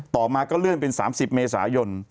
ต่อมาก็เลื่อนเป็น๓๐เมษายน